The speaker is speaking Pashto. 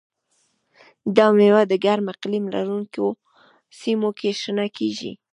دا مېوه د ګرم اقلیم لرونکو سیمو کې شنه کېږي.